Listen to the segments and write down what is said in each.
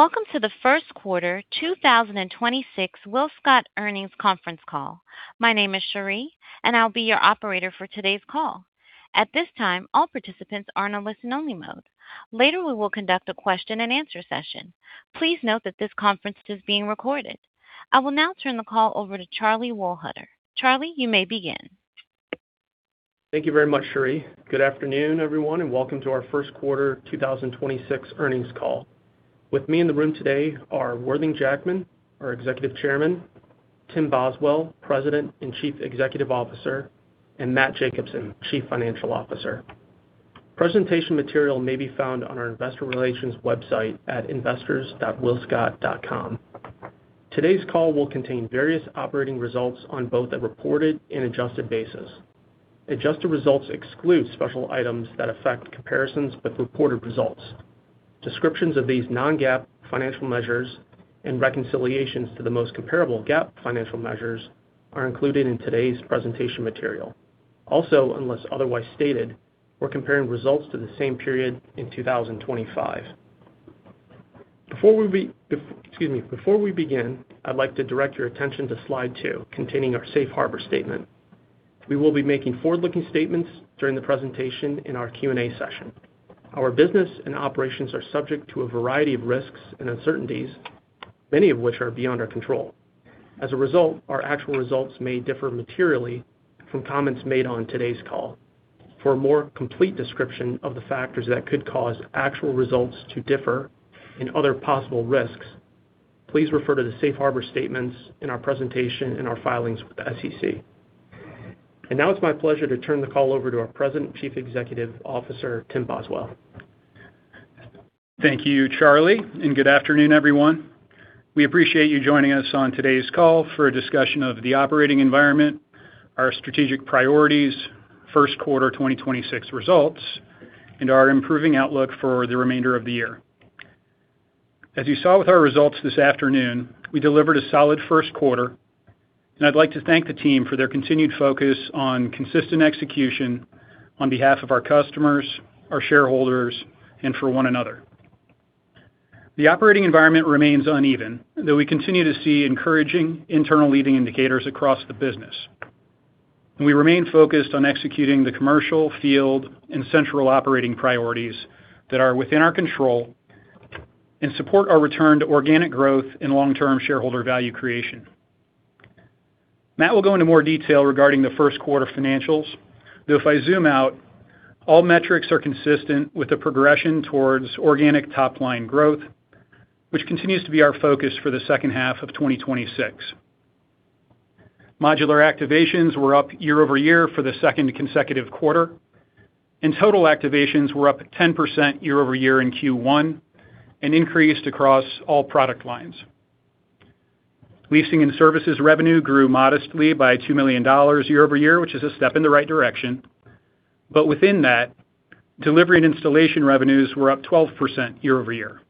Welcome to the first quarter 2026 WillScot earnings conference call. My name is Sheree, and I'll be your operator for today's call. At this time, all participants are in a listen-only mode. Later, we will conduct a question and answer session. Please note that this conference is being recorded. I will now turn the call over to Charlie Wohlhuter. Charlie, you may begin. Thank you very much, Sheree. Good afternoon, everyone, welcome to our first quarter 2026 earnings call. With me in the room today are Worthing Jackman, our Executive Chairman, Tim Boswell, President and Chief Executive Officer, and Matt Jacobsen, Chief Financial Officer. Presentation material may be found on our investor relations website at investors.willscot.com. Today's call will contain various operating results on both a reported and adjusted basis. Adjusted results exclude special items that affect comparisons with reported results. Descriptions of these non-GAAP financial measures and reconciliations to the most comparable GAAP financial measures are included in today's presentation material. Unless otherwise stated, we're comparing results to the same period in 2025. Before we begin, I'd like to direct your attention to Slide 2 containing our safe harbor statement. We will be making forward-looking statements during the presentation in our Q&A session. Our business and operations are subject to a variety of risks and uncertainties, many of which are beyond our control. As a result, our actual results may differ materially from comments made on today's call. For a more complete description of the factors that could cause actual results to differ and other possible risks, please refer to the safe harbor statements in our presentation and our filings with the SEC. Now it's my pleasure to turn the call over to our President and Chief Executive Officer, Tim Boswell. Thank you, Charlie. Good afternoon, everyone. We appreciate you joining us on today's call for a discussion of the operating environment, our strategic priorities, first quarter 2026 results, and our improving outlook for the remainder of the year. As you saw with our results this afternoon, we delivered a solid first quarter. I'd like to thank the team for their continued focus on consistent execution on behalf of our customers, our shareholders, and for one another. The operating environment remains uneven, though we continue to see encouraging internal leading indicators across the business. We remain focused on executing the commercial, field, and central operating priorities that are within our control and support our return to organic growth and long-term shareholder value creation. Matt will go into more detail regarding the first quarter financials, though if I zoom out, all metrics are consistent with the progression towards organic top-line growth, which continues to be our focus for the second half of 2026. Modular activations were up year-over-year for the second consecutive quarter. Total activations were up 10% year-over-year in Q1 and increased across all product lines. Leasing and services revenue grew modestly by $2 million year-over-year, which is a step in the right direction. Within that, delivery and installation revenues were up 12% year-over-year.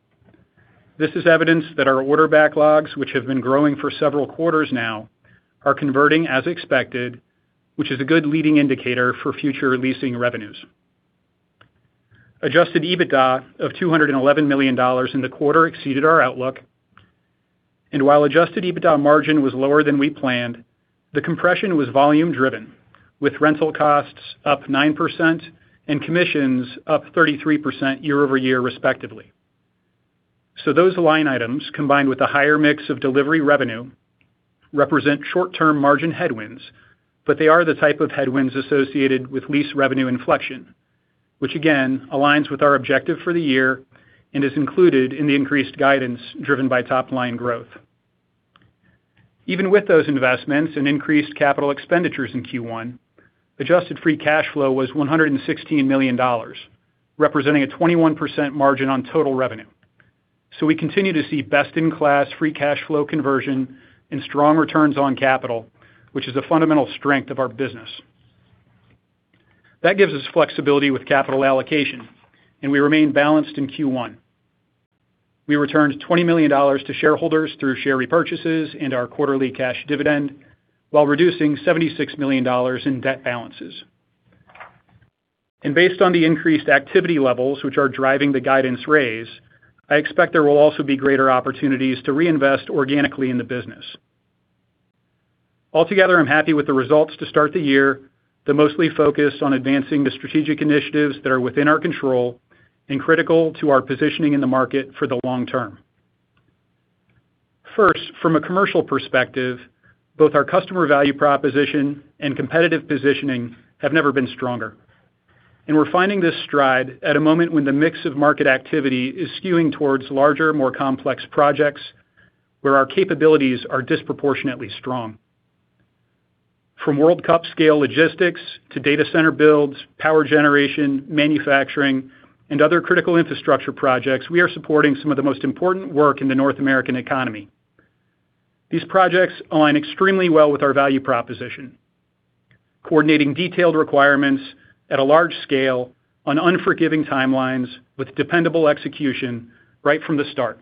This is evidence that our order backlogs, which have been growing for several quarters now, are converting as expected, which is a good leading indicator for future leasing revenues. Adjusted EBITDA of $211 million in the quarter exceeded our outlook. While Adjusted EBITDA margin was lower than we planned, the compression was volume-driven, with rental costs up 9% and commissions up 33% year-over-year respectively. Those line items, combined with a higher mix of delivery revenue, represent short-term margin headwinds, but they are the type of headwinds associated with lease revenue inflection, which again aligns with our objective for the year and is included in the increased guidance driven by top-line growth. Even with those investments and increased capital expenditures in Q1, adjusted free cash flow was $116 million, representing a 21% margin on total revenue. We continue to see best-in-class free cash flow conversion and strong returns on capital, which is a fundamental strength of our business. That gives us flexibility with capital allocation, and we remain balanced in Q1. We returned $20 million to shareholders through share repurchases and our quarterly cash dividend while reducing $76 million in debt balances. Based on the increased activity levels which are driving the guidance raise, I expect there will also be greater opportunities to reinvest organically in the business. Altogether, I'm happy with the results to start the year, though mostly focused on advancing the strategic initiatives that are within our control and critical to our positioning in the market for the long term. First, from a commercial perspective, both our customer value proposition and competitive positioning have never been stronger. We're finding this stride at a moment when the mix of market activity is skewing towards larger, more complex projects where our capabilities are disproportionately strong. From World Cup scale logistics to data center builds, power generation, manufacturing, and other critical infrastructure projects, we are supporting some of the most important work in the North American economy. These projects align extremely well with our value proposition, coordinating detailed requirements at a large scale on unforgiving timelines with dependable execution right from the start.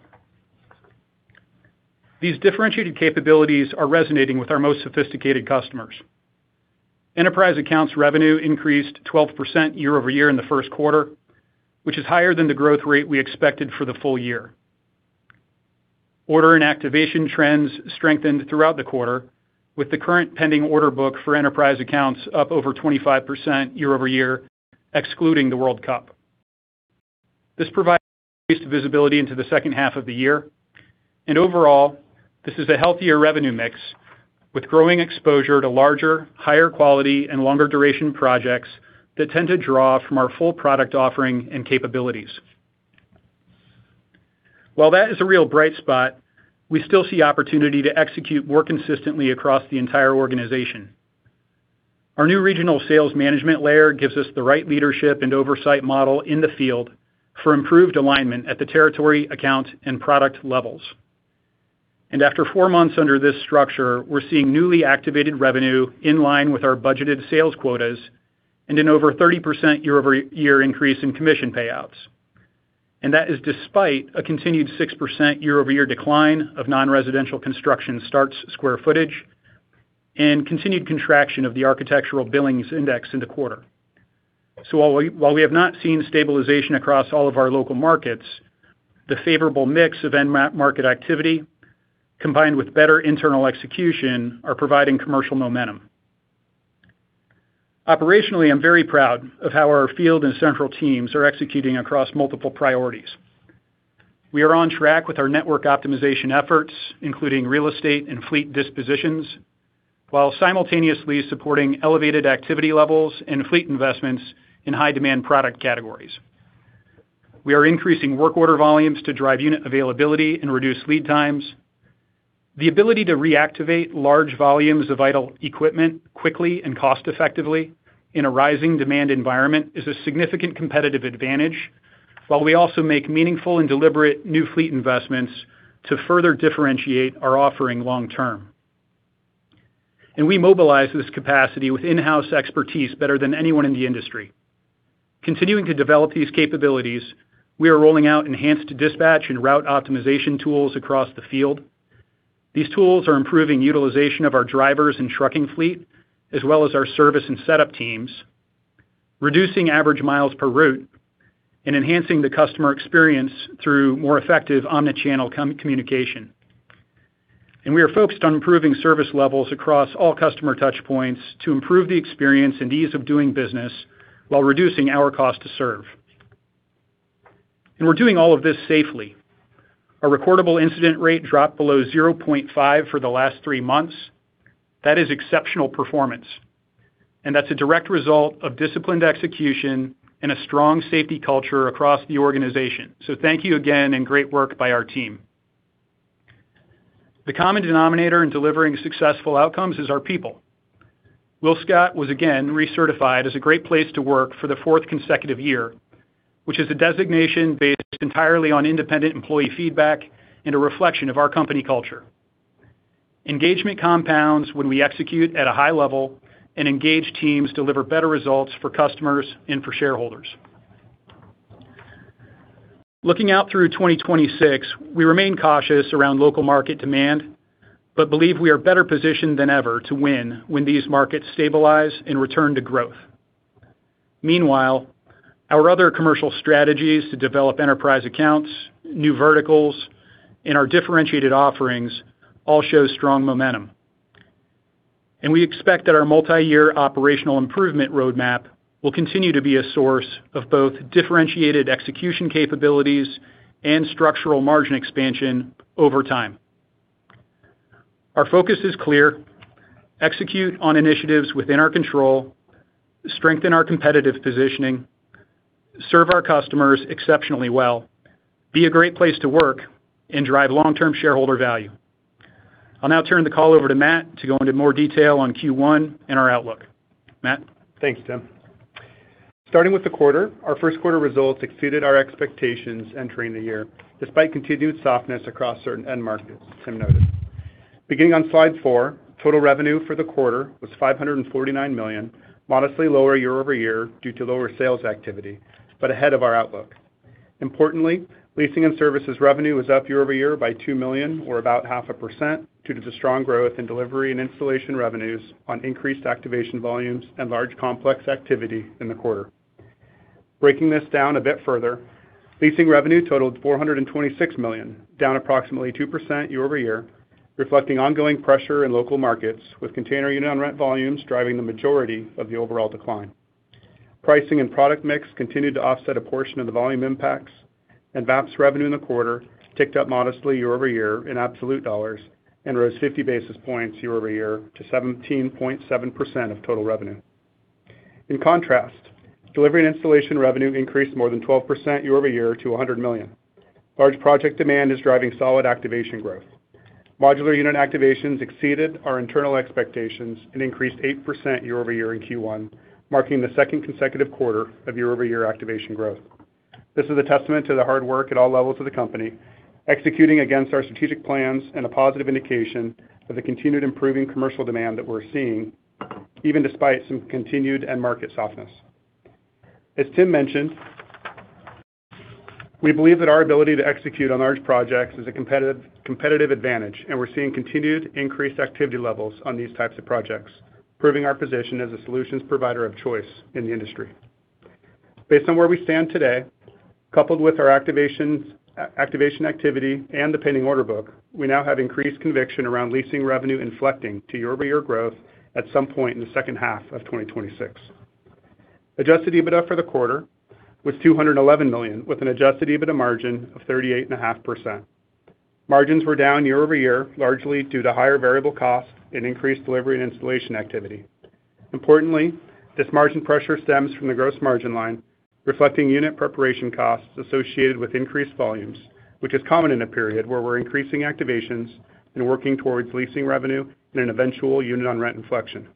These differentiated capabilities are resonating with our most sophisticated customers. Enterprise accounts revenue increased 12% year-over-year in the first quarter, which is higher than the growth rate we expected for the full year. Order and activation trends strengthened throughout the quarter with the current pending order book for enterprise accounts up over 25% year-over-year, excluding the World Cup. This provides increased visibility into the second half of the year. Overall, this is a healthier revenue mix with growing exposure to larger, higher quality and longer duration projects that tend to draw from our full product offering and capabilities. While that is a real bright spot, we still see opportunity to execute more consistently across the entire organization. Our new regional sales management layer gives us the right leadership and oversight model in the field for improved alignment at the territory, account, and product levels. After four months under this structure, we're seeing newly activated revenue in line with our budgeted sales quotas and an over 30% year-over-year increase in commission payouts. That is despite a continued 6% year-over-year decline of non-residential construction starts square footage and continued contraction of the Architecture Billings Index in the quarter. While we have not seen stabilization across all of our local markets, the favorable mix of end market activity, combined with better internal execution are providing commercial momentum. Operationally, I'm very proud of how our field and central teams are executing across multiple priorities. We are on track with our network optimization efforts, including real estate and fleet dispositions, while simultaneously supporting elevated activity levels and fleet investments in high-demand product categories. We are increasing work order volumes to drive unit availability and reduce lead times. The ability to reactivate large volumes of vital equipment quickly and cost-effectively in a rising demand environment is a significant competitive advantage, while we also make meaningful and deliberate new fleet investments to further differentiate our offering long term. We mobilize this capacity with in-house expertise better than anyone in the industry. Continuing to develop these capabilities, we are rolling out enhanced dispatch and route optimization tools across the field. These tools are improving utilization of our drivers and trucking fleet, as well as our service and setup teams, reducing average miles per route and enhancing the customer experience through more effective omni-channel communication. We are focused on improving service levels across all customer touch points to improve the experience and ease of doing business while reducing our cost to serve. We're doing all of this safely. Our recordable incident rate dropped below 0.5 for the last three months. That is exceptional performance, and that's a direct result of disciplined execution and a strong safety culture across the organization. Thank you again and great work by our team. The common denominator in delivering successful outcomes is our people. WillScot was again recertified as a Great Place to Work for the fourth consecutive year, which is a designation based entirely on independent employee feedback and a reflection of our company culture. Engagement compounds when we execute at a high level and engaged teams deliver better results for customers and for shareholders. Looking out through 2026, we remain cautious around local market demand, but believe we are better positioned than ever to win when these markets stabilize and return to growth. Meanwhile, our other commercial strategies to develop enterprise accounts, new verticals, and our differentiated offerings all show strong momentum. We expect that our multi-year operational improvement roadmap will continue to be a source of both differentiated execution capabilities and structural margin expansion over time. Our focus is clear. Execute on initiatives within our control, strengthen our competitive positioning, serve our customers exceptionally well, be a Great Place to Work, and drive long-term shareholder value. I'll now turn the call over to Matt to go into more detail on Q1 and our outlook. Matt? Thanks, Tim. Starting with the quarter, our first quarter results exceeded our expectations entering the year, despite continued softness across certain end markets, Tim noted. Beginning on Slide 4, total revenue for the quarter was $549 million, modestly lower year-over-year due to lower sales activity, but ahead of our outlook. Importantly, leasing and services revenue was up year-over-year by $2 million or about half a percent due to the strong growth in delivery and installation revenues on increased activation volumes and large complex activity in the quarter. Breaking this down a bit further, leasing revenue totaled $426 million, down approximately 2% year-over-year, reflecting ongoing pressure in local markets with container unit on rent volumes driving the majority of the overall decline. Pricing and product mix continued to offset a portion of the volume impacts and VAPS revenue in the quarter ticked up modestly year-over-year in absolute dollars and rose 50 basis points year-over-year to 17.7% of total revenue. In contrast, delivery and installation revenue increased more than 12% year-over-year to $100 million. Large project demand is driving solid activation growth. Modular unit activations exceeded our internal expectations and increased 8% year-over-year in Q1, marking the second consecutive quarter of year-over-year activation growth. This is a testament to the hard work at all levels of the company, executing against our strategic plans and a positive indication of the continued improving commercial demand that we're seeing, even despite some continued end market softness. As Tim mentioned. We believe that our ability to execute on large projects is a competitive advantage, and we're seeing continued increased activity levels on these types of projects, proving our position as a solutions provider of choice in the industry. Based on where we stand today, coupled with our activation activity and the pending order book, we now have increased conviction around leasing revenue inflecting to year-over-year growth at some point in the second half of 2026. Adjusted EBITDA for the quarter was $211 million, with an Adjusted EBITDA margin of 38.5%. Margins were down year-over-year, largely due to higher variable costs and increased delivery and installation activity. Importantly, this margin pressure stems from the gross margin line, reflecting unit preparation costs associated with increased volumes, which is common in a period where we're increasing activations and working towards leasing revenue in an eventual unit on rent inflection.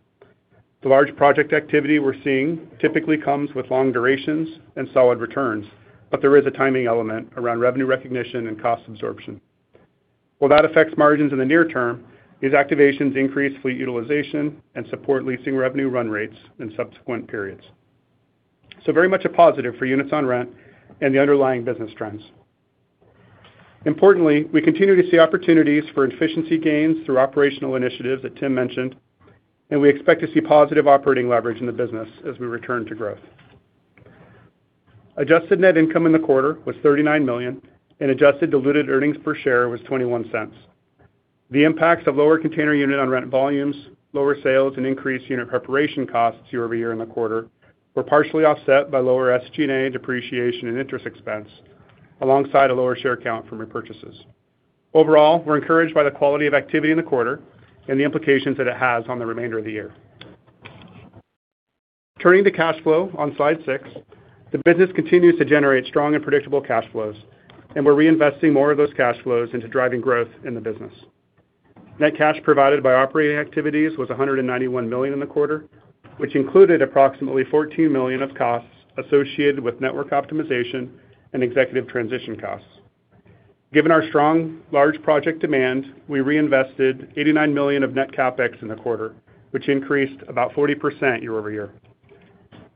The large project activity we're seeing typically comes with long durations and solid returns, but there is a timing element around revenue recognition and cost absorption. While that affects margins in the near term, these activations increase fleet utilization and support leasing revenue run rates in subsequent periods. Very much a positive for units on rent and the underlying business trends. Importantly, we continue to see opportunities for efficiency gains through operational initiatives that Tim mentioned, and we expect to see positive operating leverage in the business as we return to growth. Adjusted net income in the quarter was $39 million and adjusted diluted earnings per share was $0.21. The impacts of lower container unit on rent volumes, lower sales and increased unit preparation costs year-over-year in the quarter were partially offset by lower SG&A depreciation and interest expense alongside a lower share count from repurchases. Overall, we're encouraged by the quality of activity in the quarter and the implications that it has on the remainder of the year. Turning to cash flow on Slide 6, the business continues to generate strong and predictable cash flows, and we're reinvesting more of those cash flows into driving growth in the business. Net cash provided by operating activities was $191 million in the quarter, which included approximately $14 million of costs associated with network optimization and executive transition costs. Given our strong large project demand, we reinvested $89 million of net CapEx in the quarter, which increased about 40% year-over-year.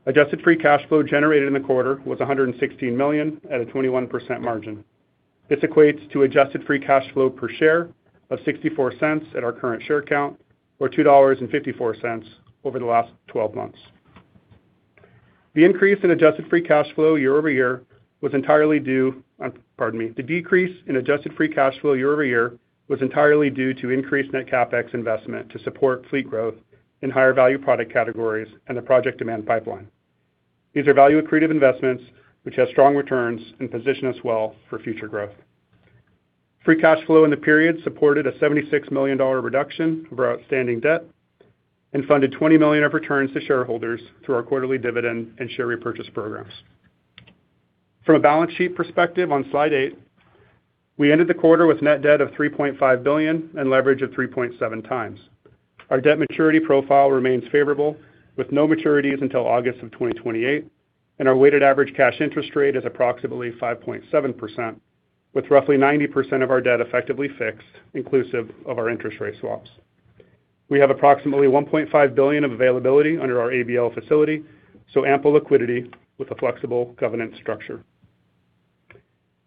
Adjusted free cash flow generated in the quarter was $116 million at a 21% margin. This equates to adjusted free cash flow per share of $0.64 at our current share count or $2.54 over the last 12 months. The increase in adjusted free cash flow year-over-year was entirely due. Pardon me. The decrease in adjusted free cash flow year-over-year was entirely due to increased net CapEx investment to support fleet growth in higher value product categories and the project demand pipeline. These are value accretive investments which have strong returns and position us well for future growth. Free cash flow in the period supported a $76 million reduction of our outstanding debt and funded $20 million of returns to shareholders through our quarterly dividend and share repurchase programs. From a balance sheet perspective on Slide 8, we ended the quarter with net debt of $3.5 billion and leverage of 3.7x. Our debt maturity profile remains favorable, with no maturities until August of 2028, and our weighted average cash interest rate is approximately 5.7%, with roughly 90% of our debt effectively fixed inclusive of our interest rate swaps. We have approximately $1.5 billion of availability under our ABL facility. Ample liquidity with a flexible covenant structure.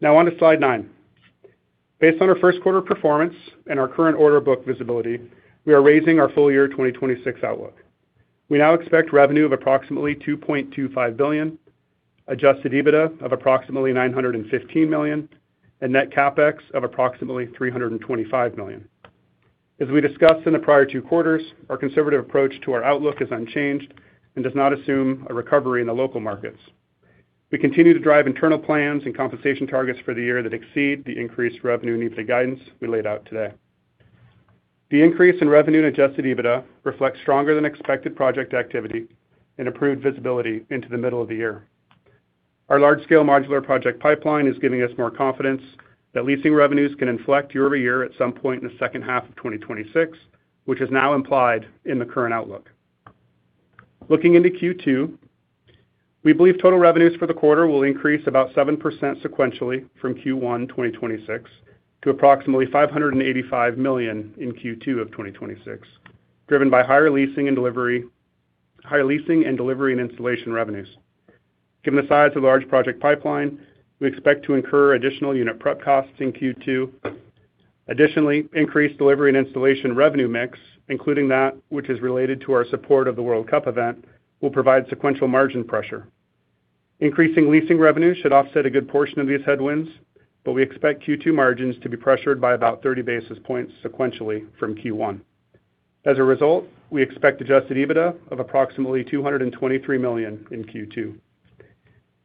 On to Slide 9. Based on our first quarter performance and our current order book visibility, we are raising our full year 2026 outlook. We now expect revenue of approximately $2.25 billion, Adjusted EBITDA of approximately $915 million, and net CapEx of approximately $325 million. As we discussed in the prior two quarters, our conservative approach to our outlook is unchanged and does not assume a recovery in the local markets. We continue to drive internal plans and compensation targets for the year that exceed the increased revenue and EBITDA guidance we laid out today. The increase in revenue and Adjusted EBITDA reflects stronger than expected project activity and improved visibility into the middle of the year. Our large scale modular project pipeline is giving us more confidence that leasing revenues can inflect year-over-year at some point in the second half of 2026, which is now implied in the current outlook. Looking into Q2, we believe total revenues for the quarter will increase about 7% sequentially from Q1 2026 to approximately $585 million in Q2 of 2026, driven by higher leasing and delivery and installation revenues. Given the size of large project pipeline, we expect to incur additional unit prep costs in Q2. Additionally, increased delivery and installation revenue mix, including that which is related to our support of the World Cup event, will provide sequential margin pressure. Increasing leasing revenues should offset a good portion of these headwinds, but we expect Q2 margins to be pressured by about 30 basis points sequentially from Q1. As a result, we expect Adjusted EBITDA of approximately $223 million in Q2.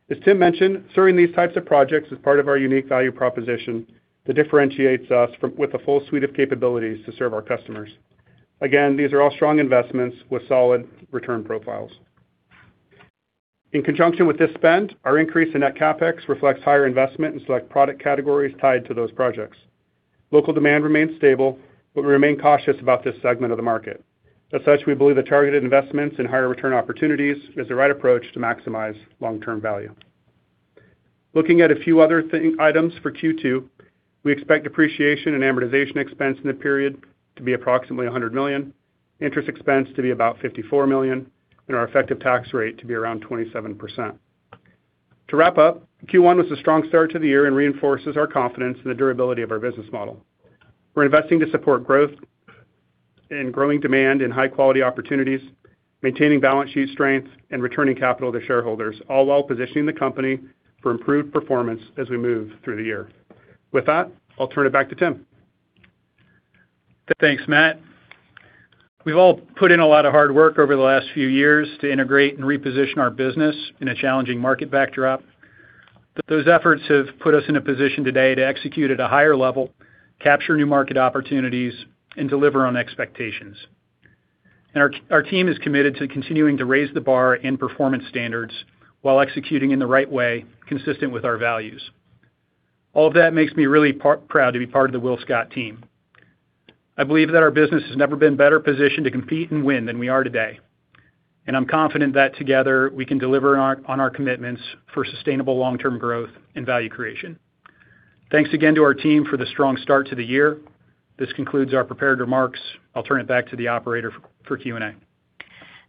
As Tim mentioned, serving these types of projects is part of our unique value proposition that differentiates us with a full suite of capabilities to serve our customers. Again, these are all strong investments with solid return profiles. In conjunction with this spend, our increase in net CapEx reflects higher investment in select product categories tied to those projects. Local demand remains stable, but we remain cautious about this segment of the market. As such, we believe that targeted investments in higher return opportunities is the right approach to maximize long-term value. Looking at a few other items for Q2, we expect depreciation and amortization expense in the period to be approximately $100 million. Interest expense to be about $54 million, and our effective tax rate to be around 27%. To wrap up, Q1 was a strong start to the year and reinforces our confidence in the durability of our business model. We're investing to support growth and growing demand in high-quality opportunities, maintaining balance sheet strength and returning capital to shareholders, all while positioning the company for improved performance as we move through the year. With that, I'll turn it back to Tim. Thanks, Matt. We've all put in a lot of hard work over the last few years to integrate and reposition our business in a challenging market backdrop. Those efforts have put us in a position today to execute at a higher level, capture new market opportunities, and deliver on expectations. Our team is committed to continuing to raise the bar in performance standards while executing in the right way, consistent with our values. All of that makes me really proud to be part of the WillScot team. I believe that our business has never been better positioned to compete and win than we are today, and I'm confident that together, we can deliver on our commitments for sustainable long-term growth and value creation. Thanks again to our team for the strong start to the year. This concludes our prepared remarks. I'll turn it back to the operator for Q&A.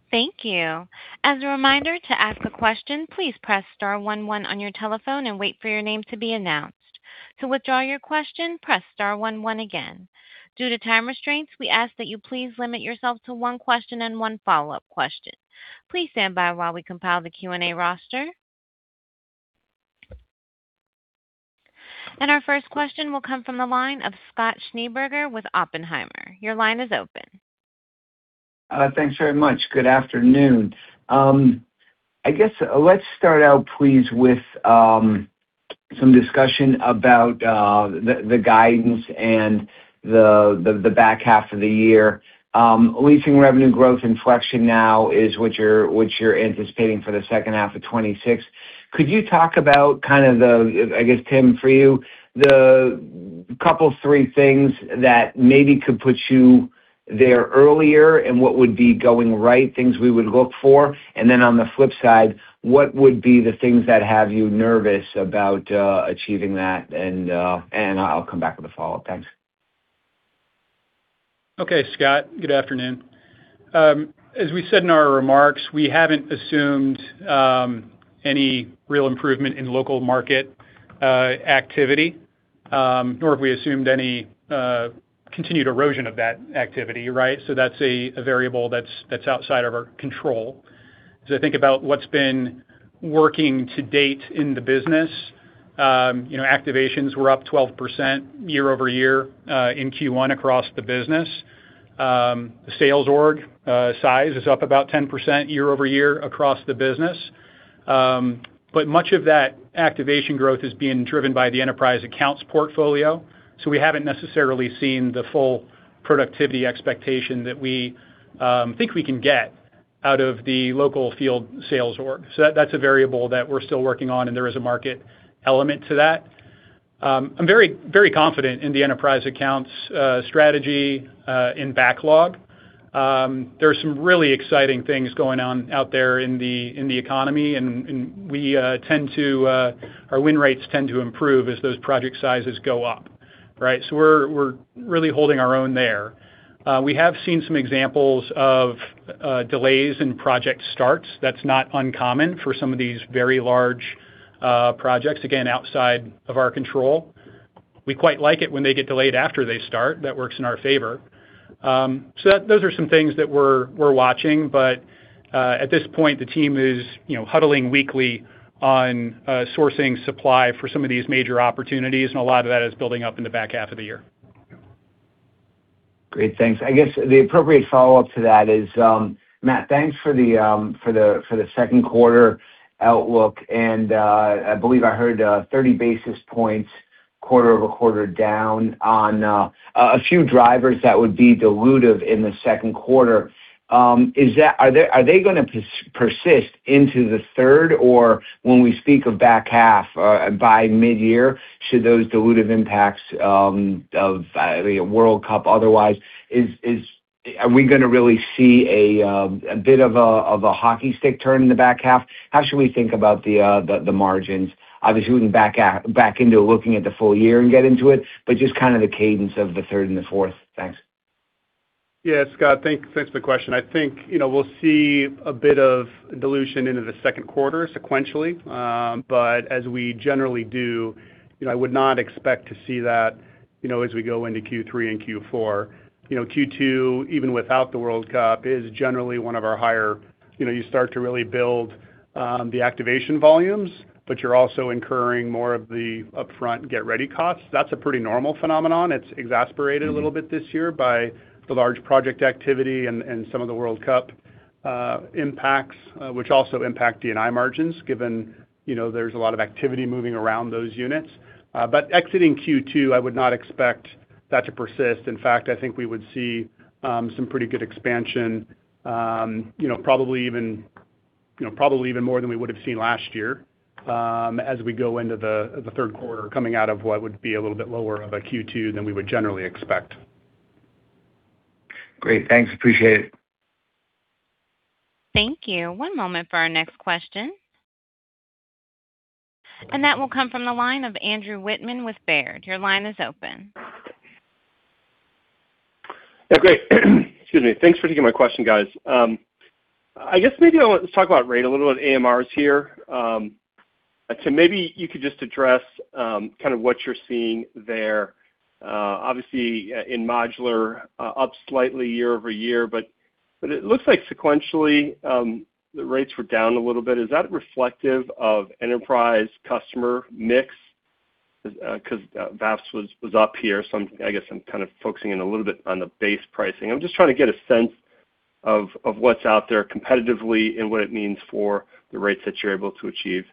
Thank you. As a reminder to ask a question, please press star one one on your telephone and wait for your name to be announced. To withdraw your question, press star one one again. Due to time restraints, we ask that you please limit yourself to one question and one follow-up question. Please stand by while we compile the Q&A roster. Our first question will come from the line of Scott Schneeberger with Oppenheimer. Your line is open. Thanks very much. Good afternoon. I guess let's start out, please, with some discussion about the guidance and the back half of the year. Leasing revenue growth inflection now is what you're anticipating for the second half of 2026. Could you talk about kind of the, I guess, Tim, for you, the couple of three things that maybe could put you there earlier and what would be going right, things we would look for? On the flip side, what would be the things that have you nervous about achieving that? I'll come back with a follow-up. Thanks. Okay, Scott, good afternoon. As we said in our remarks, we haven't assumed any real improvement in local market activity, nor have we assumed any continued erosion of that activity, right? That's a variable that's outside of our control. As I think about what's been working to date in the business, you know, activations were up 12% year-over-year in Q1 across the business. Sales org size is up about 10% year-over-year across the business. Much of that activation growth is being driven by the enterprise accounts portfolio, we haven't necessarily seen the full productivity expectation that we think we can get out of the local field sales org. That's a variable that we're still working on, and there is a market element to that. I'm very, very confident in the enterprise accounts, strategy, in backlog. There are some really exciting things going on out there in the economy and we tend to improve as those project sizes go up, right? We're really holding our own there. We have seen some examples of delays in project starts. That's not uncommon for some of these very large projects, again, outside of our control. We quite like it when they get delayed after they start. That works in our favor. Those are some things that we're watching. At this point, the team is, you know, huddling weekly on sourcing supply for some of these major opportunities, and a lot of that is building up in the back half of the year. Great. Thanks. I guess the appropriate follow-up to that is, Matt, thanks for the second quarter outlook. I believe I heard 30 basis points quarter-over-quarter down on a few drivers that would be dilutive in the second quarter. Are they gonna persist into the third or when we speak of back half by mid-year, should those dilutive impacts of World Cup otherwise, are we gonna really see a bit of a hockey stick turn in the back half? How should we think about the margins? Obviously, we can back into looking at the full year and get into it, but just kind of the cadence of the third and the fourth. Thanks. Yeah. Scott, thanks for the question. I think, you know, we'll see a bit of dilution into the second quarter sequentially. As we generally do, you know, I would not expect to see that, you know, as we go into Q3 and Q4. You know, Q2, even without the World Cup, is generally one of our. You know, you start to really build the activation volumes, you're also incurring more of the upfront get-ready costs. That's a pretty normal phenomenon. It's exacerbated a little bit this year by the large project activity and some of the World Cup impacts, which also impact D&I margins, given, you know, there's a lot of activity moving around those units. Exiting Q2, I would not expect that to persist. In fact, I think we would see some pretty good expansion, you know, probably even more than we would have seen last year, as we go into the third quarter, coming out of what would be a little bit lower of a Q2 than we would generally expect. Great. Thanks. Appreciate it. Thank you. One moment for our next question. That will come from the line of Andrew Wittmann with Baird. Your line is open. Yeah, great. Excuse me. Thanks for taking my question, guys. I guess maybe I want to talk about rate a little bit, AMRs here. Maybe you could just address, kind of what you're seeing there, obviously in modular, up slightly year-over-year, but it looks like sequentially, the rates were down a little bit. Is that reflective of enterprise customer mix? 'Cause VAPS was up here, I guess I'm kind of focusing in a little bit on the base pricing. I'm just trying to get a sense of what's out there competitively and what it means for the rates that you're able to achieve,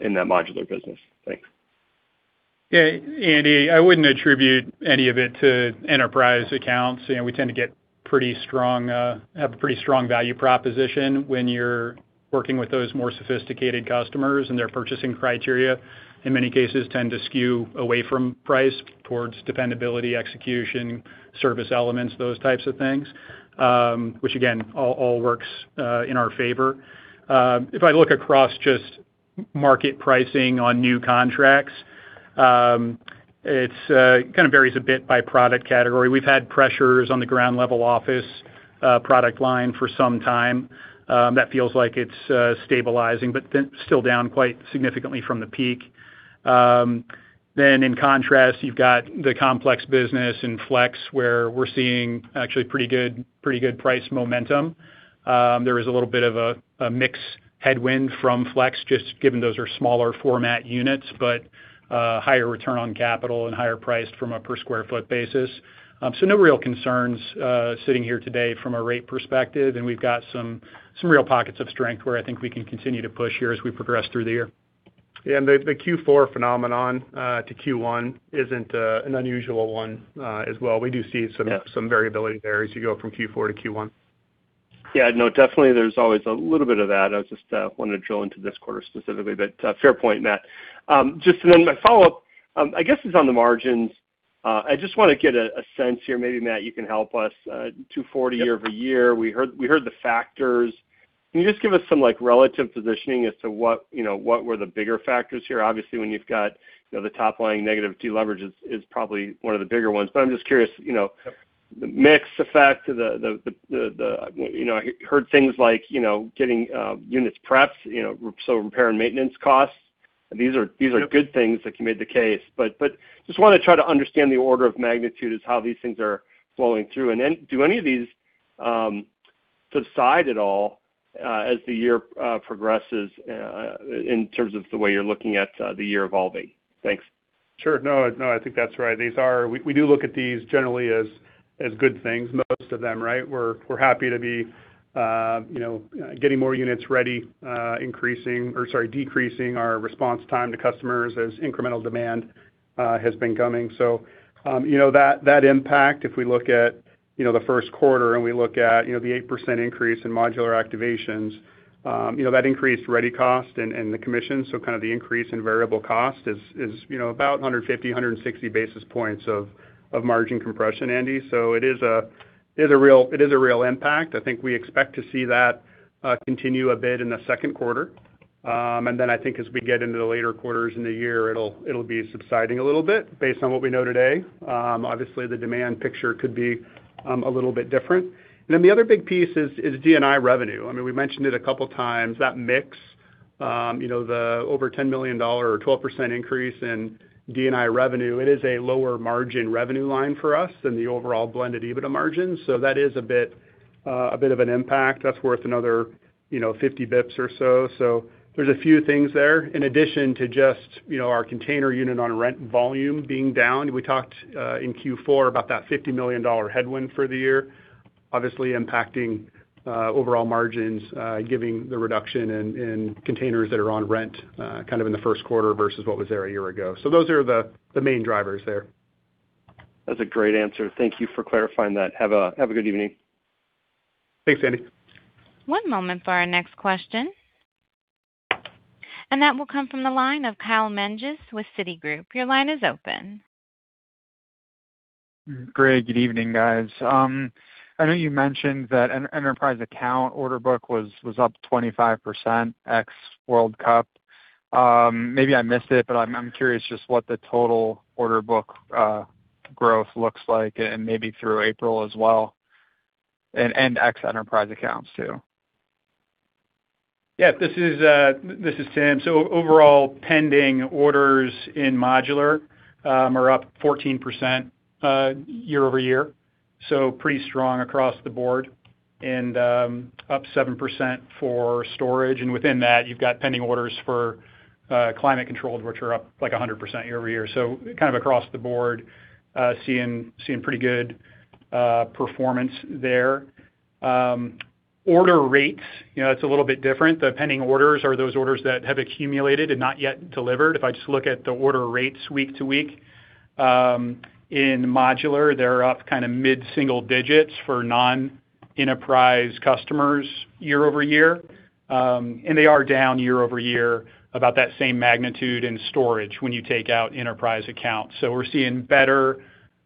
in that modular business. Thanks. Yeah. Andy, I wouldn't attribute any of it to enterprise accounts. You know, we tend to get pretty strong, have a pretty strong value proposition when you're working with those more sophisticated customers and their purchasing criteria, in many cases, tend to skew away from price towards dependability, execution, service elements, those types of things, which again, all works in our favor. If I look across just market pricing on new contracts, it's kind of varies a bit by product category. We've had pressures on the ground-level office product line for some time, that feels like it's stabilizing, then still down quite significantly from the peak. In contrast, you've got the complex business and FLEX, where we're seeing actually pretty good price momentum. There is a little bit of a mix headwind from FLEX, just given those are smaller format units, but higher return on capital and higher priced from a per square foot basis. No real concerns sitting here today from a rate perspective. We've got some real pockets of strength where I think we can continue to push here as we progress through the year. Yeah. The Q4 phenomenon to Q1 isn't an unusual one as well. We do see some variability there as you go from Q4 to Q1. Yeah, no, definitely there's always a little bit of that. I was just wanting to drill into this quarter specifically. Fair point, Matt. Just then my follow-up, I guess is on the margins. I just wanna get a sense here. Maybe, Matt, you can help us, 240 year-over-year. We heard the factors. Can you just give us some like relative positioning as to what, you know, what were the bigger factors here? Obviously, when you've got, you know, the top line negative deleverage is probably one of the bigger ones. I'm just curious, you know, the mix effect, the, you know, I heard things like, you know, getting units prepped, you know, so repair and maintenance costs. These are good things that you made the case, just wanna try to understand the order of magnitude as how these things are flowing through. Do any of these subside at all as the year progresses in terms of the way you're looking at the year evolving? Thanks. Sure. No, no, I think that's right. We do look at these generally as good things, most of them, right? We're happy to be, you know, getting more units ready, increasing or, sorry, decreasing our response time to customers as incremental demand has been coming. You know, that impact, if we look at the first quarter and we look at the 8% increase in modular activations, you know, that increased ready cost and the commission. Kind of the increase in variable cost is, you know, about 150, 160 basis points of margin compression, Andy. It is a real impact. I think we expect to see that continue a bit in the second quarter. I think as we get into the later quarters in the year, it'll be subsiding a little bit based on what we know today. Obviously, the demand picture could be a little bit different. The other big piece is D&I revenue. I mean, we mentioned it a couple times, that mix, you know, the over $10 million or 12% increase in D&I revenue, it is a lower margin revenue line for us than the overall blended EBITDA margin. That is a bit of an impact. That's worth another, you know, 50 basis points or so. There's a few things there. In addition to just, you know, our container unit on rent volume being down. We talked in Q4 about that $50 million headwind for the year, obviously impacting overall margins, giving the reduction in containers that are on rent, kind of in the first quarter versus what was there a year ago. Those are the main drivers there. That's a great answer. Thank you for clarifying that. Have a good evening. Thanks, Andy. One moment for our next question. That will come from the line of Kyle Menges with Citigroup. Your line is open. Great. Good evening, guys. I know you mentioned that enterprise account order book was up 25% ex World Cup. Maybe I missed it, but I'm curious just what the total order book growth looks like and maybe through April as well and ex enterprise accounts too? This is Tim. Overall, pending orders in modular are up 14% year-over-year, so pretty strong across the board and up 7% for storage. Within that, you've got pending orders for climate controlled, which are up like 100% year-over-year. Kind of across the board, seeing pretty good performance there. Order rates, you know, it's a little bit different. The pending orders are those orders that have accumulated and not yet delivered. If I just look at the order rates week to week, in modular, they're up kind of mid-single digits for non-enterprise customers year-over-year. They are down year-over-year about that same magnitude in storage when you take out enterprise accounts. We're seeing better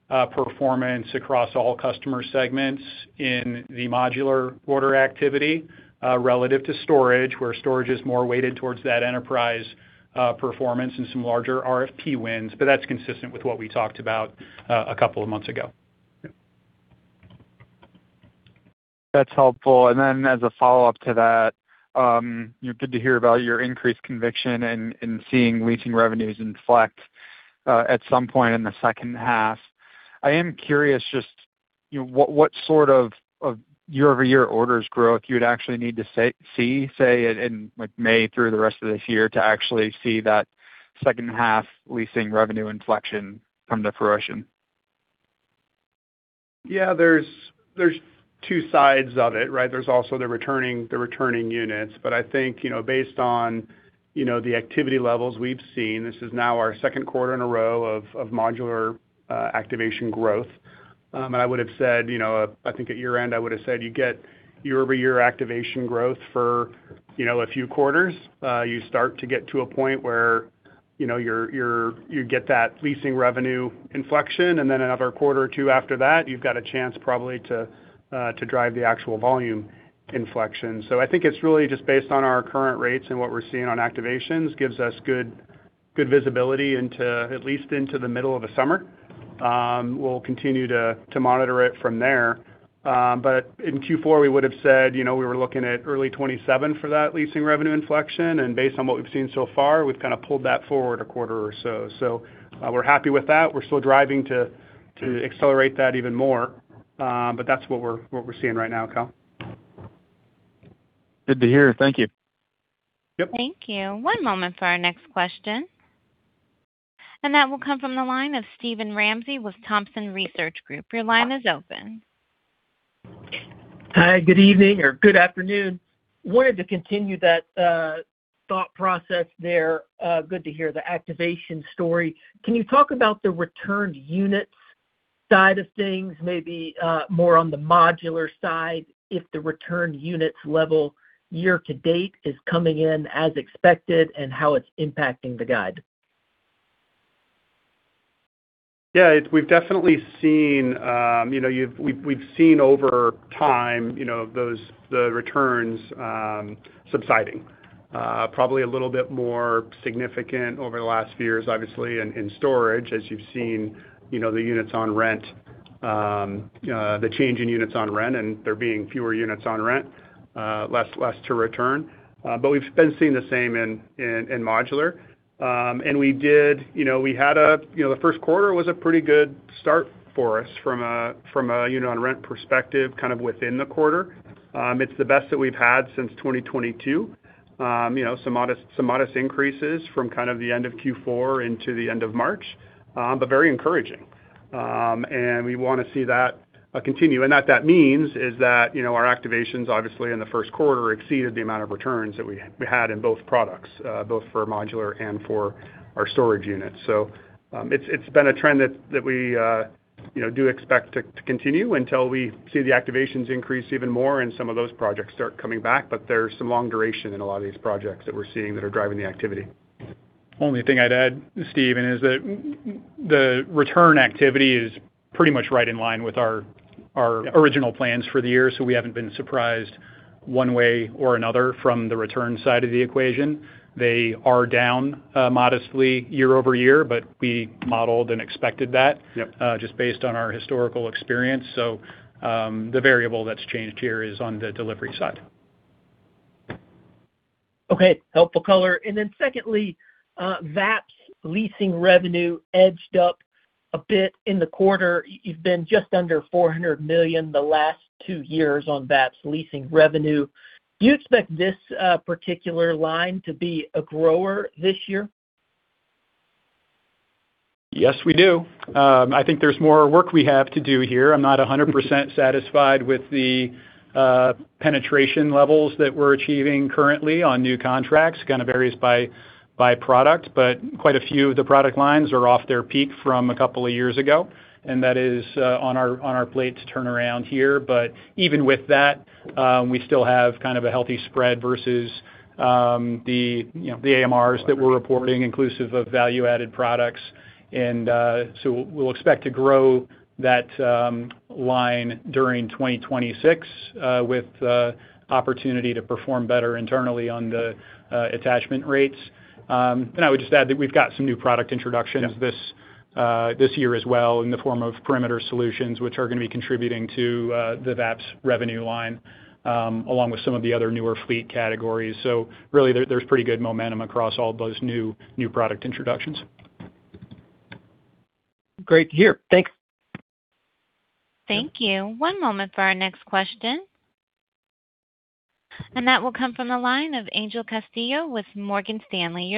performance across all customer segments in the modular order activity relative to storage, where storage is more weighted towards that enterprise performance and some larger RFP wins. That's consistent with what we talked about a couple of months ago. That's helpful. Then as a follow-up to that, good to hear about your increased conviction in seeing leasing revenues inflect at some point in the second half. I am curious just, you know, what sort of year-over-year orders growth you would actually need to see in, like, May through the rest of this year to actually see that second half leasing revenue inflection come to fruition? Yeah, there's two sides of it, right? There's also the returning units. I think, you know, based on, you know, the activity levels we've seen, this is now our second quarter in a row of modular activation growth. I would have said, you know, I think at year-end, I would have said you get year-over-year activation growth for, you know, a few quarters. You start to get to a point where, you know, you get that leasing revenue inflection, and then another quarter or two after that, you've got a chance probably to drive the actual volume inflection. I think it's really just based on our current rates and what we're seeing on activations, gives us good visibility into at least into the middle of the summer. We'll continue to monitor it from there. But in Q4, we would have said, you know, we were looking at early 2027 for that leasing revenue inflection, and based on what we've seen so far, we've kind of pulled that forward a quarter or so. We're happy with that. We're still driving to accelerate that even more. But that's what we're, what we're seeing right now, Kyle. Good to hear. Thank you. Yeap. Thank you. One moment for our next question. That will come from the line of Steven Ramsey with Thompson Research Group. Your line is open. Hi, good evening or good afternoon. I wanted to continue that thought process there. It's good to hear the activation story. Can you talk about the returned units side of things, maybe, more on the modular side, if the returned units level year-to-date is coming in as expected, and how it's impacting the guide? Yeah, we've definitely seen, you know, we've seen over time, you know, the returns subsiding. Probably a little bit more significant over the last few years, obviously, in storage, as you've seen, you know, the units on rent, the change in units on rent and there being fewer units on rent, less to return. We've been seeing the same in modular. We did, you know, we had a, you know, the first quarter was a pretty good start for us from a unit on rent perspective, kind of within the quarter. It's the best that we've had since 2022. You know, some modest increases from kind of the end of Q4 into the end of March, but very encouraging. We want to see that continue. What that means is that our activations, obviously, in the first quarter exceeded the amount of returns that we had in both products, both for modular and for our storage units. It's been a trend that we do expect to continue until we see the activations increase even more and some of those projects start coming back. There's some long duration in a lot of these projects that we're seeing that are driving the activity. Only thing I'd add, Steven, is that the return activity is pretty much right in line with our original plans for the year, so we haven't been surprised one way or another from the return side of the equation. They are down modestly year-over-year, but we modeled and expected that just based on our historical experience. The variable that's changed here is on the delivery side. Okay. Helpful color. Secondly, VAPS leasing revenue edged up a bit in the quarter. You've been just under $400 million the last two years on VAPS leasing revenue. Do you expect this particular line to be a grower this year? Yes, we do. I think there's more work we have to do here. I'm not 100% satisfied with the penetration levels that we're achieving currently on new contracts. Kind of varies by product, but quite a few of the product lines are off their peak from a couple of years ago, and that is on our plate to turn around here. Even with that, we still have kind of a healthy spread versus the, you know, the AMRs that we're reporting inclusive of Value-Added Products. We'll expect to grow that line during 2026 with opportunity to perform better internally on the attachment rates. I would just add that we've got some new product introductions. This year as well in the form of perimeter solutions, which are gonna be contributing to the VAPS revenue line, along with some of the other newer fleet categories. Really, there's pretty good momentum across all those new product introductions. Great to hear. Thanks. Thank you. One moment for our next question. That will come from the line of Angel Castillo with Morgan Stanley.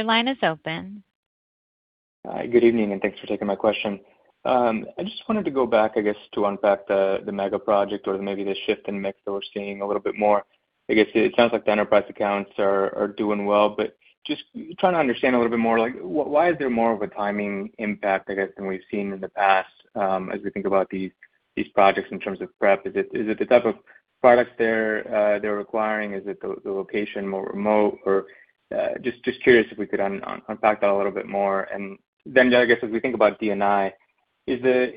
Hi, good evening, and thanks for taking my question. I just wanted to go back, I guess, to unpack the mega project or maybe the shift in mix that we're seeing a little bit more. I guess it sounds like the enterprise accounts are doing well, but just trying to understand a little bit more like why is there more of a timing impact, I guess, than we've seen in the past, as we think about these projects in terms of prep, is it the type of products they're requiring? Is it the location more remote? Or just curious if we could unpack that a little bit more? I guess as we think about D&I, is the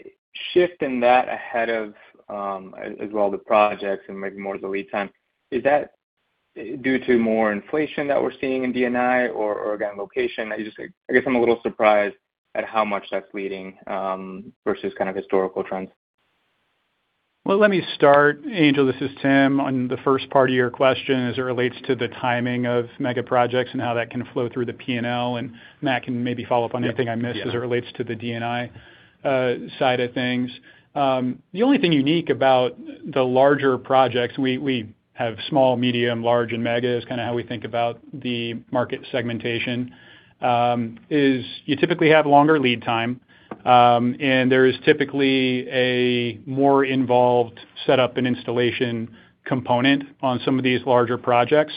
shift in that ahead of as well the projects and maybe more of the lead time, is that due to more inflation that we're seeing in D&I or again, location? I guess I'm a little surprised at how much that's leading versus kind of historical trends. Well, let me start, Angel, this is Tim, on the first part of your question as it relates to the timing of mega projects and how that can flow through the P&L, and Matt can maybe follow up on anything I missed as it relates to the D&I side of things. The only thing unique about the larger projects, we have small, medium, large, and mega, is kind of how we think about the market segmentation, is you typically have longer lead time. There is typically a more involved setup and installation component on some of these larger projects.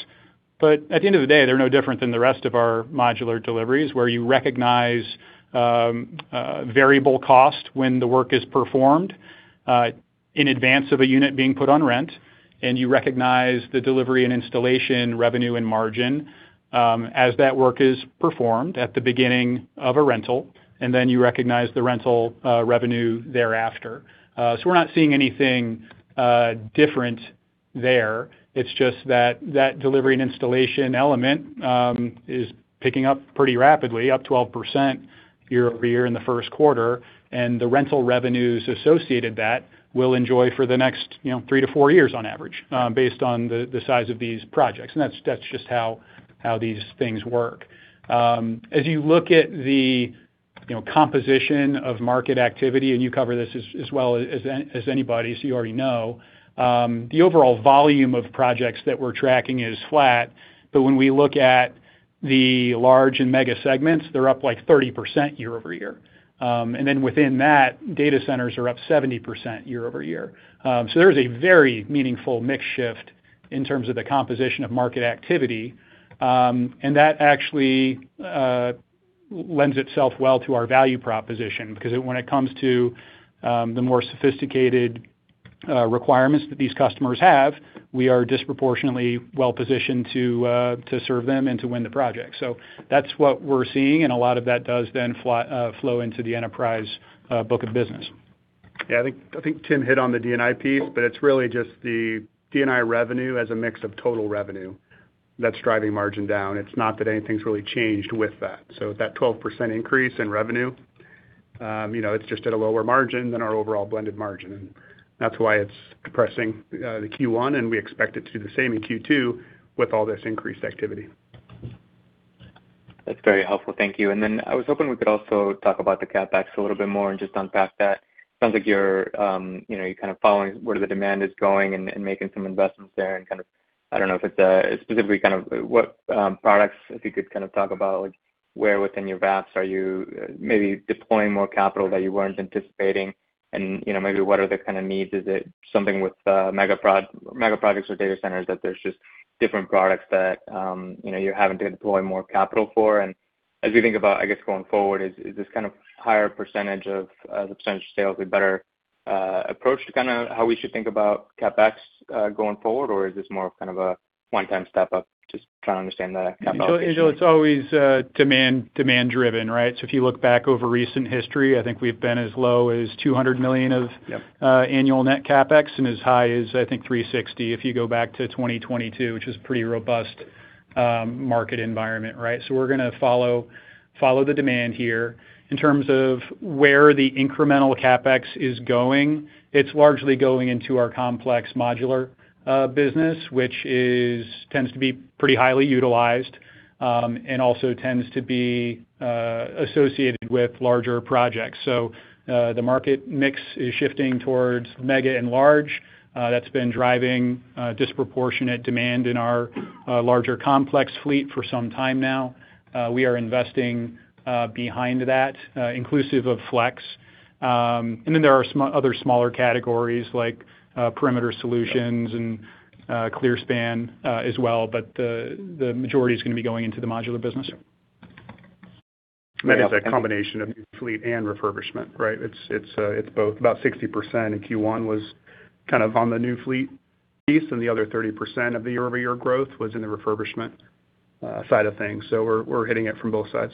At the end of the day, they're no different than the rest of our modular deliveries, where you recognize variable cost when the work is performed in advance of a unit being put on rent. You recognize the delivery and installation revenue and margin as that work is performed at the beginning of a rental, and then you recognize the rental revenue thereafter. We're not seeing anything different there. It's just that that delivery and installation element is picking up pretty rapidly, up 12% year-over-year in the first quarter. The rental revenues associated that, we'll enjoy for the next, you know, three, four years on average, based on the size of these projects. That's just how these things work. As you look at the, you know, composition of market activity, and you cover this as well as anybody, so you already know, the overall volume of projects that we're tracking is flat. When we look at the large and mega segments, they're up, like, 30% year-over-year. Within that, data centers are up 70% year-over-year. There is a very meaningful mix shift in terms of the composition of market activity. That actually lends itself well to our value proposition, because when it comes to the more sophisticated requirements that these customers have, we are disproportionately well-positioned to serve them and to win the project. That's what we're seeing, and a lot of that does then flow into the enterprise book of business. Yeah. I think Tim hit on the D&I piece. It's really just the D&I revenue as a mix of total revenue that's driving margin down. It's not that anything's really changed with that. That 12% increase in revenue, you know, it's just at a lower margin than our overall blended margin, and that's why it's depressing the Q1, and we expect it to do the same in Q2 with all this increased activity. That's very helpful. Thank you. I was hoping we could also talk about the CapEx a little bit more and just unpack that. Sounds like you're, you know, you're kind of following where the demand is going and making some investments there and kind of I don't know if it's specifically kind of what products, if you could kind of talk about where within your VAPS are you maybe deploying more capital that you weren't anticipating and, you know, maybe what are the kind of needs? Is it something with mega projects or data centers that there's just different products that, you know, you're having to deploy more capital for? As we think about, I guess, going forward, is this kind of higher percentage of the percentage of sales a better approach to kind of how we should think about CapEx going forward, or is this more of kind of a one-time step up? Just trying to understand the capital allocation. Angel, it's always demand driven, right? If you look back over recent history, I think we've been as low as $200 million of annual net CapEx and as high as, I think, $360, if you go back to 2022, which is pretty robust market environment, right? We're gonna follow the demand here. In terms of where the incremental CapEx is going, it's largely going into our complex modular business, which tends to be pretty highly utilized and also tends to be associated with larger projects. The market mix is shifting towards mega and large. That's been driving disproportionate demand in our larger complex fleet for some time now. We are investing behind that inclusive of FLEX. There are other smaller categories like perimeter solutions and ClearSpan as well. The majority is gonna be going into the modular business. It's a combination of new fleet and refurbishment, right? It's both. About 60% in Q1 was kind of on the new fleet piece, the other 30% of the year-over-year growth was in the refurbishment side of things. We're hitting it from both sides.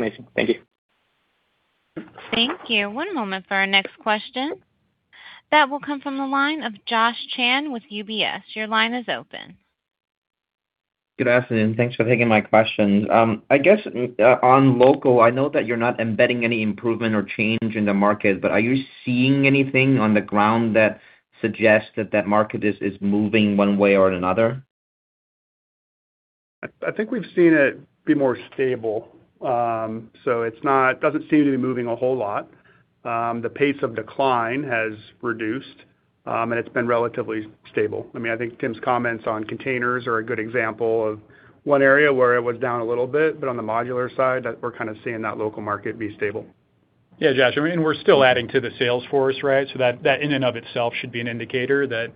Amazing. Thank you. Thank you. One moment for our next question. That will come from the line of Josh Chan with UBS. Your line is open. Good afternoon. Thanks for taking my questions. I guess, on local, I know that you're not embedding any improvement or change in the market, but are you seeing anything on the ground that suggests that that market is moving one way or another? I think we've seen it be more stable. It doesn't seem to be moving a whole lot. The pace of decline has reduced, and it's been relatively stable. I mean, I think Tim's comments on containers are a good example of one area where it was down a little bit, but on the modular side, that we're kind of seeing that local market be stable. Yeah, Josh. I mean, we're still adding to the sales force, right? That in and of itself should be an indicator that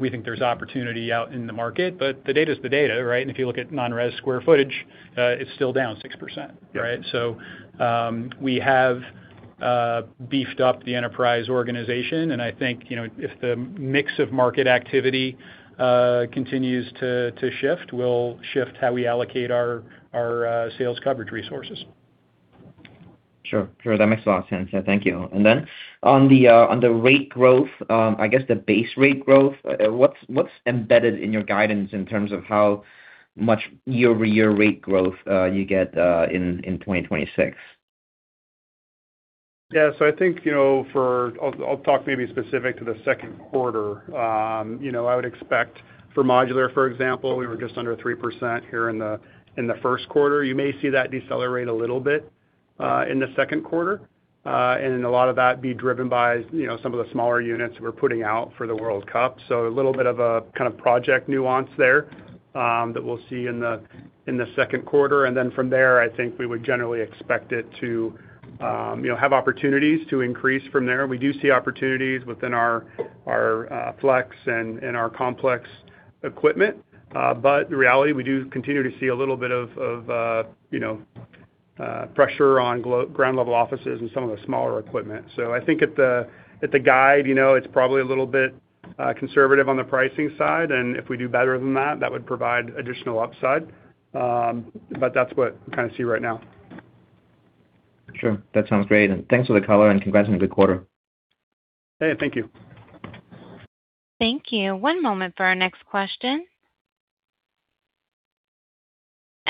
we think there's opportunity out in the market. The data is the data, right? If you look at non-res square footage, it's still down 6%, right? We have beefed up the enterprise organization, and I think, you know, if the mix of market activity, continues to shift, we'll shift how we allocate our, sales coverage resources. Sure. Sure. That makes a lot of sense. Yeah, thank you. Then on the rate growth, I guess the base rate growth, what's embedded in your guidance in terms of how much year-over-year rate growth you get in 2026? Yeah. I think, you know, for I'll talk maybe specific to the second quarter. You know, I would expect for modular, for example, we were just under 3% here in the, in the first quarter. You may see that decelerate a little bit in the second quarter. A lot of that be driven by, you know, some of the smaller units we're putting out for the World Cup. A little bit of a kind of project nuance there that we'll see in the, in the second quarter. From there, I think we would generally expect it to, you know, have opportunities to increase from there. We do see opportunities within our FLEX and our complex equipment. The reality, we do continue to see a little bit of, you know, pressure on ground-level office and some of the smaller equipment. I think at the, at the guide, you know, it's probably a little bit conservative on the pricing side, and if we do better than that would provide additional upside. That's what we kind of see right now. Sure. That sounds great. Thanks for the color, and congrats on a good quarter. Hey, thank you. Thank you. One moment for our next question.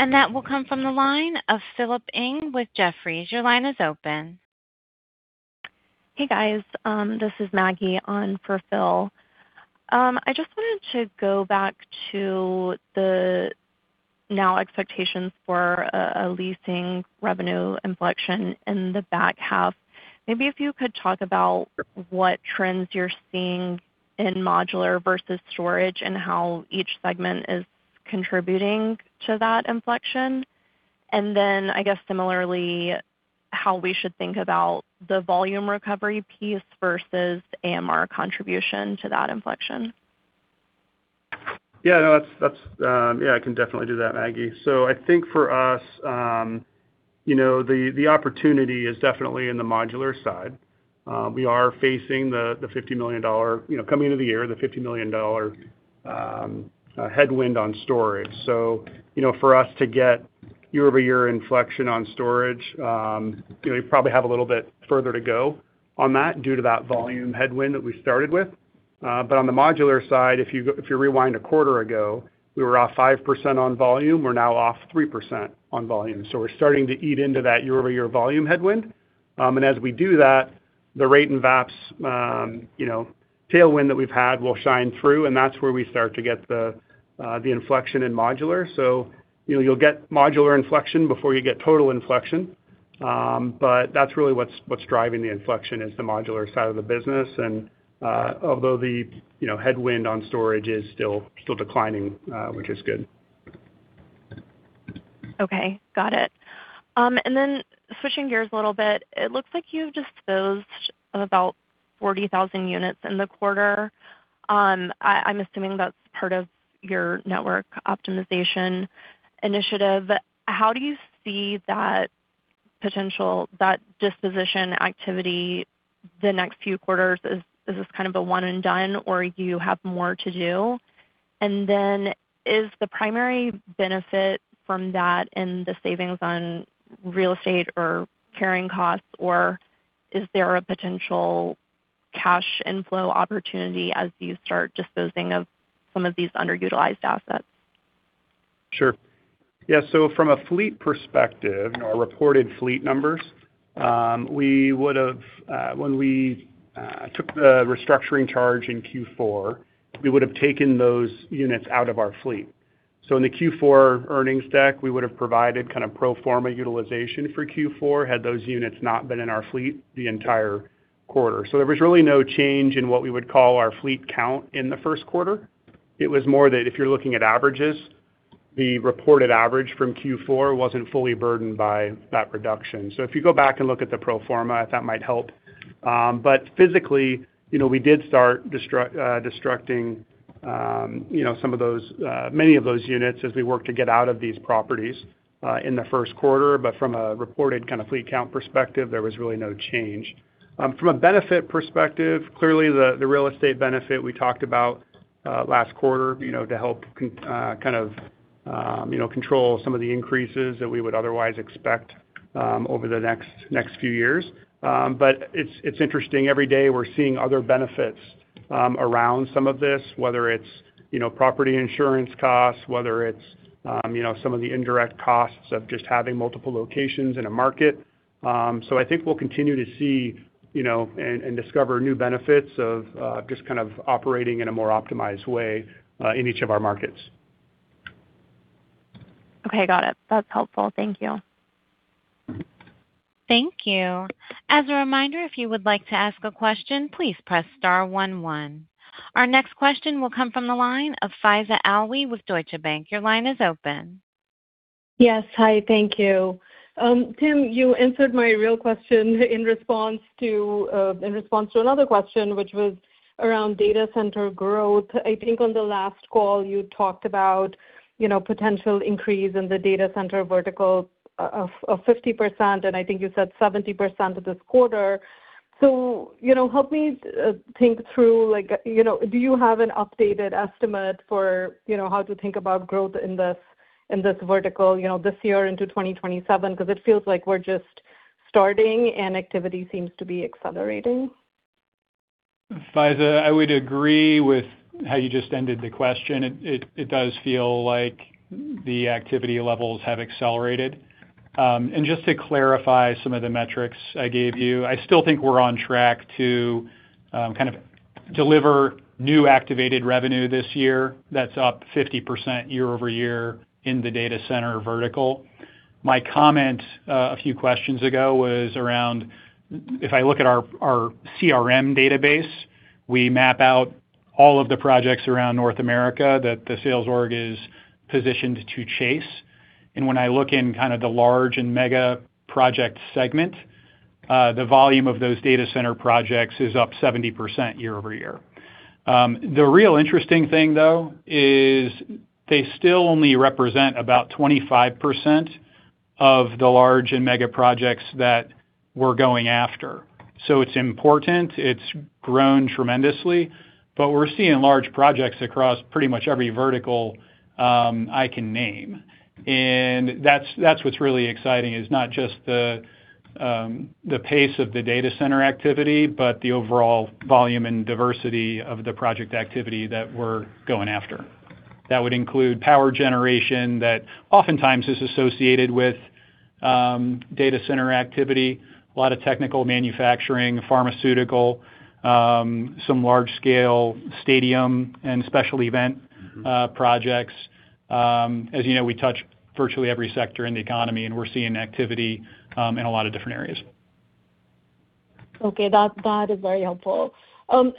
That will come from the line of Philip Ng with Jefferies. Your line is open. Hey, guys. This is Maggie on for Philip. I just wanted to go back to the now expectations for a leasing revenue inflection in the back half. Maybe if you could talk about what trends you're seeing in modular versus storage and how each segment is contributing to that inflection. I guess similarly, how we should think about the volume recovery piece versus AMR contribution to that inflection. Yeah, I can definitely do that, Maggie. I think for us, you know, the opportunity is definitely in the modular side. We are facing the $50 million, you know, coming into the year, the $50 million headwind on storage. You know, for us to get year-over-year inflection on storage, you know, you probably have a little bit further to go on that due to that volume headwind that we started with. On the modular side, if you rewind a quarter ago, we were off 5% on volume. We are now off 3% on volume. We are starting to eat into that year-over-year volume headwind. As we do that, the rate and VAPS, you know, tailwind that we've had will shine through, and that's where we start to get the inflection in modular. You know, you'll get modular inflection before you get total inflection. That's really what's driving the inflection is the modular side of the business. Although the, you know, headwind on storage is still declining, which is good. Okay. Got it. Switching gears a little bit, it looks like you disposed of about 40,000 units in the quarter. I'm assuming that's part of your network optimization initiative. How do you see that disposition activity the next few quarters? Is this kind of a one and done, or you have more to do? Is the primary benefit from that in the savings on real estate or carrying costs, or is there a potential cash inflow opportunity as you start disposing of some of these underutilized assets? Sure. Yeah, from a fleet perspective, our reported fleet numbers, we would have, when we took the restructuring charge in Q4, we would have taken those units out of our fleet. In the Q4 earnings deck, we would have provided kind of pro forma utilization for Q4 had those units not been in our fleet the entire quarter. There was really no change in what we would call our fleet count in the first quarter. It was more that if you're looking at averages, the reported average from Q4 wasn't fully burdened by that reduction. If you go back and look at the pro forma, that might help. Physically, you know, we did start destructing, you know, some of those, many of those units as we work to get out of these properties in the first quarter. From a reported kind of fleet count perspective, there was really no change. From a benefit perspective, clearly the real estate benefit we talked about last quarter, you know, to help kind of, you know, control some of the increases that we would otherwise expect over the next few years. It's interesting. Every day, we're seeing other benefits around some of this, whether it's, you know, property insurance costs, whether it's, you know, some of the indirect costs of just having multiple locations in a market. I think we'll continue to see, you know, and discover new benefits of just kind of operating in a more optimized way in each of our markets. Okay, got it. That's helpful. Thank you. Thank you. As a reminder, if you would like to ask a question, please press star one one. Our next question will come from the line of Faiza Alwy with Deutsche Bank. Your line is open. Yes. Hi, thank you. Tim, you answered my real question in response to in response to another question, which was around data center growth. I think on the last call, you talked about, you know, potential increase in the data center vertical of 50%, and I think you said 70% this quarter. You know, help me think through, like, you know, do you have an updated estimate for, you know, how to think about growth in this, in this vertical, you know, this year into 2027? 'Cause it feels like we're just starting, and activity seems to be accelerating. Faiza, I would agree with how you just ended the question. It does feel like the activity levels have accelerated. Just to clarify some of the metrics I gave you, I still think we're on track to kind of deliver new activated revenue this year that's up 50% year-over-year in the data center vertical. My comment a few questions ago was around, if I look at our CRM database, we map out all of the projects around North America that the sales org is positioned to chase. When I look in kind of the large and mega project segment, the volume of those data center projects is up 70% year-over-year. The real interesting thing, though, is they still only represent about 25% of the large and mega projects that we're going after. It's important. It's grown tremendously, but we're seeing large projects across pretty much every vertical I can name. That's what's really exciting, is not just the pace of the data center activity, but the overall volume and diversity of the project activity that we're going after. That would include power generation that oftentimes is associated with data center activity, a lot of technical manufacturing, pharmaceutical, some large scale stadium and special event projects. As you know, we touch virtually every sector in the economy, and we're seeing activity in a lot of different areas. Okay. That is very helpful. Then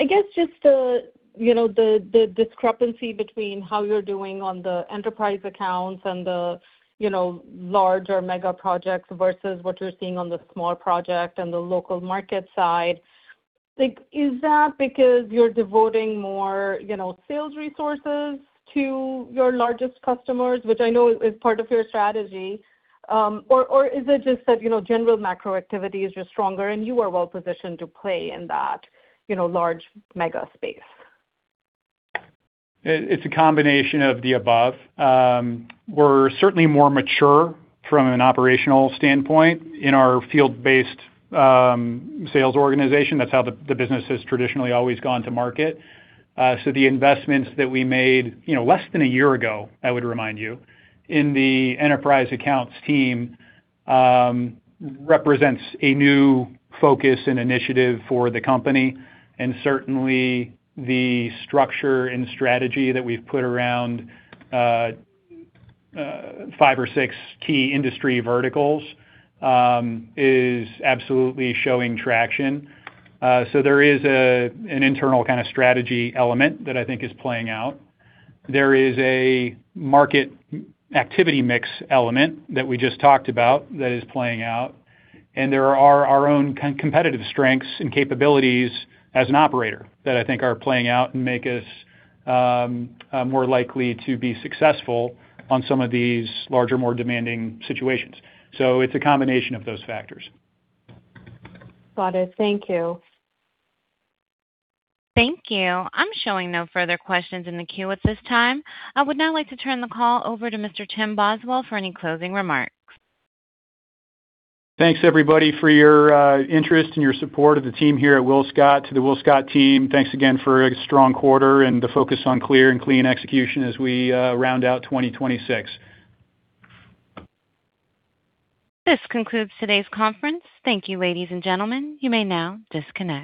I guess just the, you know, the discrepancy between how you're doing on the enterprise accounts and the, you know, large or mega projects versus what you're seeing on the small project and the local market side. Like, is that because you're devoting more, you know, sales resources to your largest customers, which I know is part of your strategy? Or is it just that, you know, general macro activity is just stronger and you are well positioned to play in that, you know, large mega space? It's a combination of the above. We're certainly more mature from an operational standpoint in our field-based sales organization. That's how the business has traditionally always gone to market. The investments that we made, you know, less than a year ago, I would remind you, in the enterprise accounts team, represents a new focus and initiative for the company. Certainly, the structure and strategy that we've put around five or six key industry verticals, is absolutely showing traction. There is an internal kind of strategy element that I think is playing out. There is a market activity mix element that we just talked about that is playing out, and there are our own competitive strengths and capabilities as an operator that I think are playing out and make us more likely to be successful on some of these larger, more demanding situations. It's a combination of those factors. Got it. Thank you. Thank you. I'm showing no further questions in the queue at this time. I would now like to turn the call over to Mr. Tim Boswell for any closing remarks. Thanks, everybody, for your interest and your support of the team here at WillScot. To the WillScot team, thanks again for a strong quarter and the focus on clear and clean execution as we round out 2026. This concludes today's conference. Thank you, ladies and gentlemen. You may now disconnect.